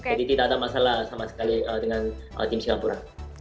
jadi tidak ada masalah sama sekali dengan tim singapura